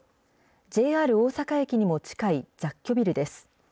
ＪＲ大阪駅にも近い雑居ビルです。